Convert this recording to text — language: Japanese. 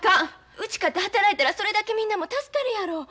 うちかて働いたらそれだけみんなも助かるやろ。